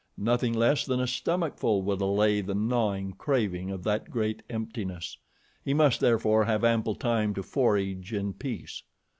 Nothing less than a stomachful would allay the gnawing craving of that great emptiness. He must therefore have ample time to forage in peace.